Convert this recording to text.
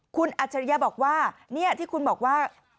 คุณอัจฉริยะบอกว่านี่ที่คุณบอกว่า